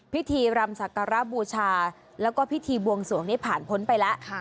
พิธีรำสักการะบูชาแล้วก็พิธีบวงสวงนี้ผ่านพ้นไปแล้ว